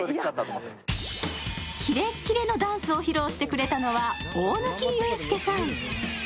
キレッキレのダンスを披露してくれたのは大貫勇輔さん。